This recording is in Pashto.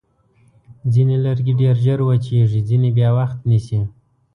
ځینې لرګي ډېر ژر وچېږي، ځینې بیا وخت نیسي.